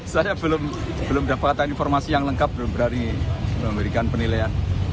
saya belum dapatkan informasi yang lengkap dari pemerintahan penilaian